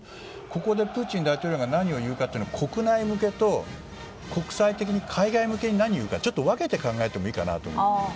ここでプーチン大統領が何を言うかというのは国内向けと国際向け海外向けに何を言うか分けて考えてもいいと思います。